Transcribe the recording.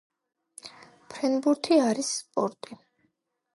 ფრენბურთი არის სპორტი